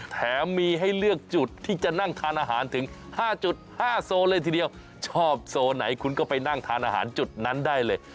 แถมมีให้เลือกจุดที่จะนั่งทานอาหารถึง๕๕โซนเลยทีเดียวชอบโซนไหนคุณก็ไปนั่งทานอาหารจุดนั้นได้เลย